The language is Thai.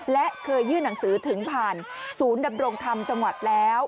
และเคยยื่นหนังสือถึงผ่านศูนย์ดำรงธรรมจังหวัดแล้ว